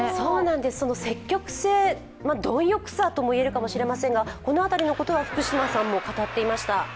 その積極性、貪欲さとも言えるかもしれませんがこの辺りのことは福島さんも語っていました。